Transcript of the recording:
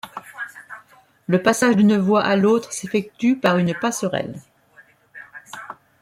Le passage d'une voie à l'autre s'effectue par une passerelle.